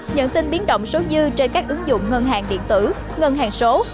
nhận tin biến động số dư trên các ứng dụng ngân hàng điện tử ngân hàng số